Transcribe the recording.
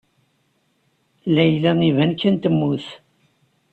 Layla iban kan temmut.